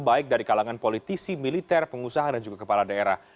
baik dari kalangan politisi militer pengusaha dan juga kepala daerah